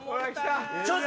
ちょっと！